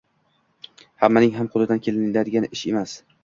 hammaning ham qo'lidan keladigan ish emas.